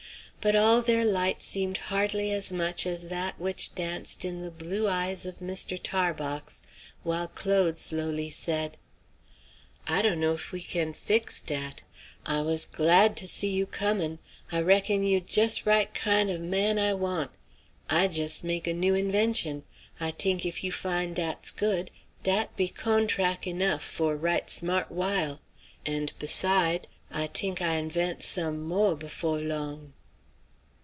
But all their light seemed hardly as much as that which danced in the blue eyes of Mr. Tarbox while Claude slowly said: "I dunno if we can fix dat. I was glad to see you comin'. I reckon you jus' right kind of man I want. I jus' make a new invention. I t'ink 'f you find dat's good, dat be cawntrac' enough for right smart while. And beside', I t'ink I invent some mo' b'fo' long."